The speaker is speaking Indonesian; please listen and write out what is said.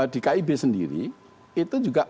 di kib sendiri itu juga